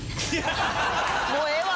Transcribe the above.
もうええわ！